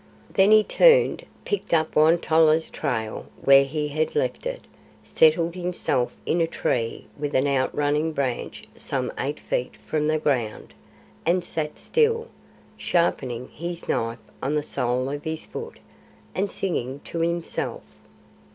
Then he turned, picked up Won tolla's trail where he had left it, settled himself in a tree with an outrunning branch some eight feet from the ground, and sat still, sharpening his knife on the sole of his foot and singing to himself.